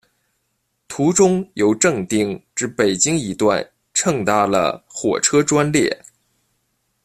途中由正定至北京一段乘搭了火车专列。